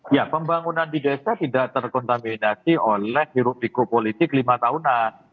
ya pembangunan di desa tidak terkontaminasi oleh hirupsiko politik lima tahunan